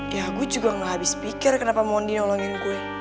ya gua juga gak habis pikir kenapa mondi nolongin gue